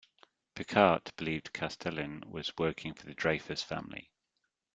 Picquart believed Castelin was working for the Dreyfus family.